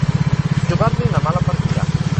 Jugar-li una mala partida.